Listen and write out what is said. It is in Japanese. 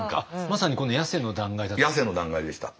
まさにこのヤセの断崖だった？